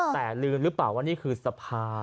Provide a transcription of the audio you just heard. แต่ลืมหรือเปล่าว่านี่คือสภา